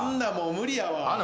無理やな。